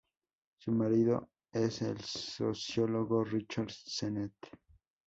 Su marido es el sociólogo Richard Sennett.